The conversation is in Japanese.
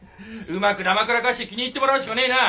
うまくだまくらかして気に入ってもらうしかねえな。